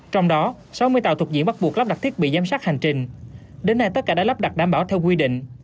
trong đó sáu mươi tàu thuộc diện bắt buộc lắp đặt thiết bị giám sát hành trình đến nay tất cả đã lắp đặt đảm bảo theo quy định